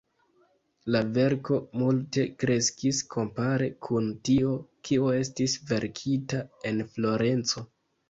La verko multe kreskis kompare kun tio, kio estis verkita en Florenco.